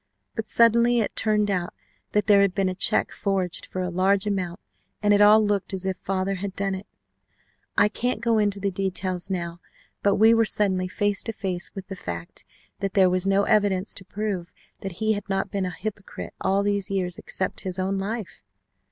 But suddenly it turned out that there had been a check forged for a large amount and it all looked as if father had done it. I can't go into the details now, but we were suddenly face to face with the fact that there was no evidence to prove that he had not been a hypocrite all these years except his own life.